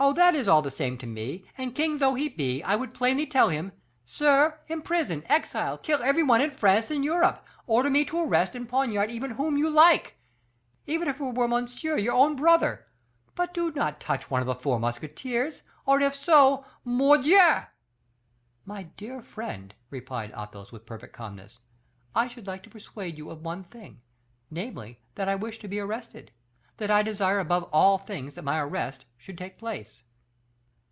that is all the same to me; and king though he be, I would plainly tell him, 'Sire, imprison, exile, kill every one in France and Europe; order me to arrest and poniard even whom you like even were it Monsieur, your own brother; but do not touch one of the four musketeers, or if so, mordioux!'" "My dear friend," replied Athos, with perfect calmness, "I should like to persuade you of one thing; namely, that I wish to be arrested; that I desire above all things that my arrest should take place."